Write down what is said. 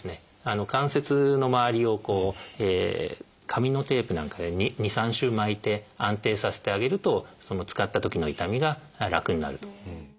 関節の周りを紙のテープなんかで２３周巻いて安定させてあげると使ったときの痛みが楽になると。